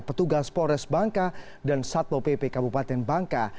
petugas polres bangka dan satpo pp kabupaten bangka